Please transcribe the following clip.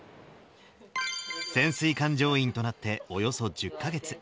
潜水艦乗員となっておよそ１０か月。